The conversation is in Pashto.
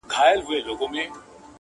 اعلان یې کړی پر ټوله ښار دی -